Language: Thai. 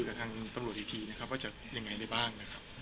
กับทางตำรวจจีกว่าจะแยกได้ยังไงบ้าง